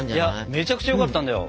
めちゃくちゃよかったんだよ！